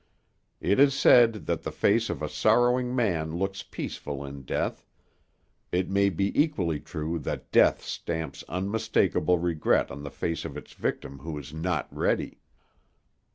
It is said that the face of a sorrowing man looks peaceful in death; it may be equally true that death stamps unmistakable regret on the face of its victim who is not ready.